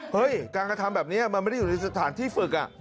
การกระทำแบบนี้มันไม่ได้อยู่ในสถานที่ฝึก